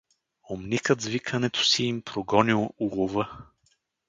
Умникът с викането си им прогонил лова.